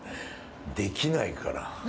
できないから。